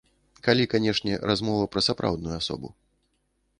Калі, канешне, размова пра сапраўдную асобу.